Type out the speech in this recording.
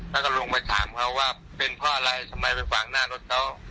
แล้วก็ลงไปถามเขาว่าเป็นเพราะอะไรทำไมไปฝังหน้ารถเขา